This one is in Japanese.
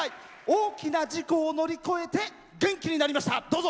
大きな事故を乗り越えて元気になりました。